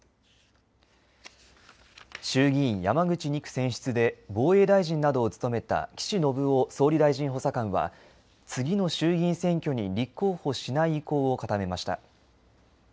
衆議院山口２区選出で防衛大臣などを務めた岸信夫総理大臣補佐官は次の衆議院選挙に立候補しない意向を固めました。